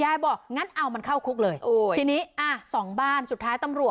บอกงั้นเอามันเข้าคุกเลยโอ้ยทีนี้อ่ะสองบ้านสุดท้ายตำรวจ